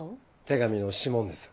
手紙の指紋です。